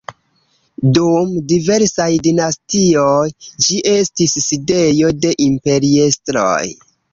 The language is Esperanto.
Dum diversaj dinastioj ĝi estis sidejo de imperiestroj.